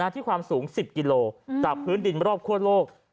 ความสูง๑๐กิโลจากพื้นดินรอบคั่วโลก